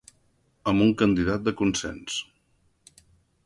Amb un candidat de consens.